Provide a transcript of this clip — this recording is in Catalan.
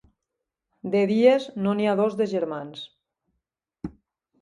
De dies no n'hi ha dos de germans.